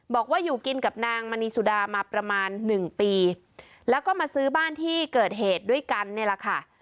บอกว่าอยู่กินกับนางมณีสุดามาประมาณหนึ่งปีแล้วก็มาซื้อบ้านที่เกิดเหตุด้วยกันเนี่ยแหละค่ะ